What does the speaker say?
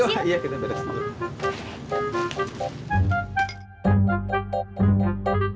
yaudah kita beres dulu